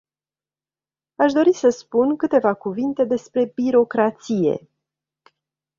Aș dori să spun câteva cuvinte despre birocrație.